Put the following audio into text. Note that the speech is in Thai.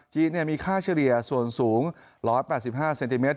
มีค่าเฉลี่ยส่วนสูง๑๘๕เซนติเมต